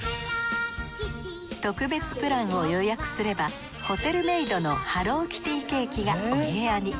特別プランを予約すればホテルメイドのハローキティケーキがお部屋に。